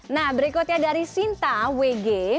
nah berikutnya dari sinta wg